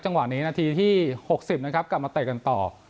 จังหวะนี้นาทีที่๖๐นะครับกลับมาเตะกันต่อ